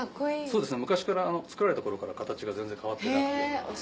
そうですね昔から作られた頃から形が全然変わってなくて。